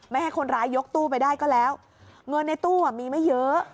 ไม่ให้คนร้ายยกตู้ไปได้ก็แล้วเงินในตู้มีไม่เยอะ